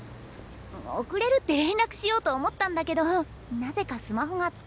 遅れるって連絡しようと思ったんだけどなぜかスマホが使えなくて。